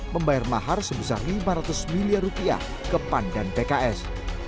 membayar mahar sebesar lima ratus miliar rupiah ke pan dan pks